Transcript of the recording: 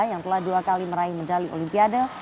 yang telah dua kali meraih medali olimpiade